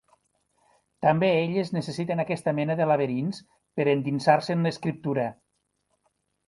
També elles necessiten aquesta mena de laberints per endinsar-se en l'escriptura.